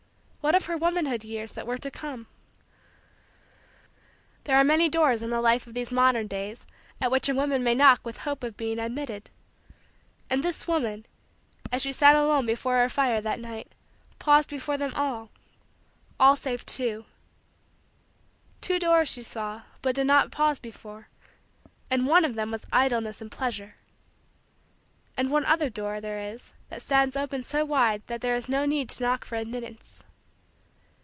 What of her womanhood years that were to come? There are many doors in the life of these modern days at which a woman may knock with hope of being admitted; and this woman, as she sat alone before her fire that night, paused before them all all save two. Two doors she saw but did not pause before; and one of them was idleness and pleasure. And one other door there is that stands open wide so that there is no need to knock for admittance.